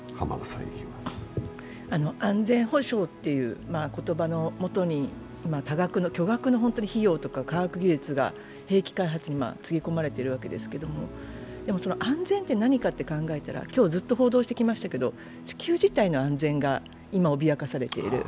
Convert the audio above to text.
安全保障という言葉のもとに巨額の費用とか科学技術が兵器開発につぎ込まれているわけですけど、でも安全って何かと考えたら今日ずっと報道してきましたけど地球自体の安全が今脅かされている。